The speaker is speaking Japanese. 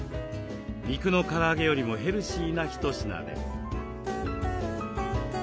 肉のから揚げよりもヘルシーな一品です。